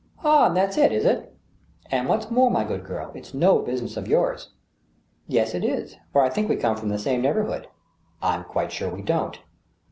" AH, that's it, is it ?"" And what's more, my good girl, it's no business of yours !" "Yes, it is, for I think we come from the same neighbor hood." ." I'm quite sure we don't."